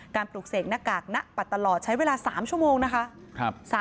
ปลูกเสกหน้ากากณปัดตลอดใช้เวลา๓ชั่วโมงนะคะ